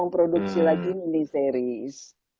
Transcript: produksi lagi mini series